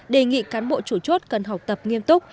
đề nghị cán bộ chủ chốt cần học tập nghiêm túc